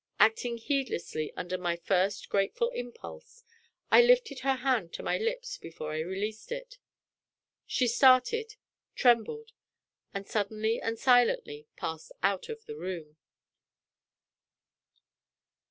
Acting heedlessly under my first grateful impulse, I lifted her hand to my lips before I released it. She started trembled and suddenly and silently passed out of the room.